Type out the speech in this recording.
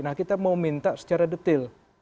nah kita mau minta secara detail